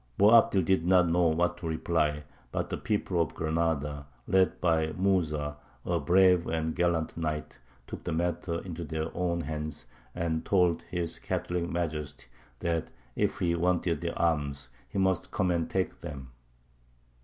Boabdil did not know what to reply; but the people of Granada, led by Mūsa, a brave and gallant knight, took the matter into their own hands, and told his Catholic Majesty that if he wanted their arms he must come and take them!